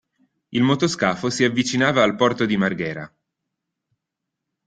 Il motoscafo si avvicinava al porto di Marghera.